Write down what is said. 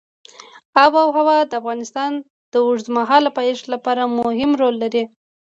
آب وهوا د افغانستان د اوږدمهاله پایښت لپاره مهم رول لري.